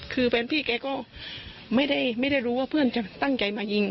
คือแฟนพี่แกก็ไม่ได้รู้ว่าเพื่อนจะตั้งใจมายิง